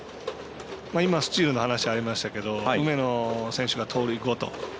今、スチールの話ありましたけど梅野選手が盗塁いこうと。